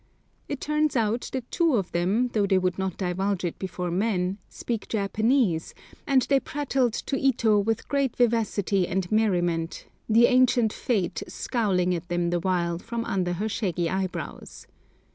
It turns out that two of them, though they would not divulge it before men, speak Japanese, and they prattled to Ito with great vivacity and merriment, the ancient Fate scowling at them the while from under her shaggy eyebrows.